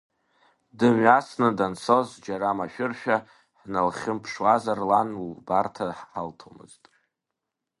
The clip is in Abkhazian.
Дымҩасны данцоз џьара машәыршәа ҳналхьымԥшуазар, лан уи лбарҭа ҳалҭомызт.